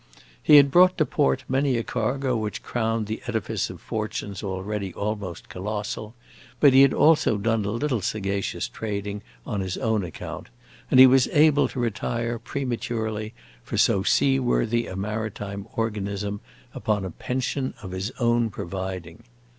He had brought to port many a cargo which crowned the edifice of fortunes already almost colossal, but he had also done a little sagacious trading on his own account, and he was able to retire, prematurely for so sea worthy a maritime organism, upon a pension of his own providing.